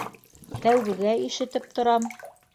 Тәүгегә ишетеп торам.